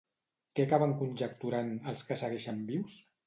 Què acaben conjecturant, els que segueixen vius?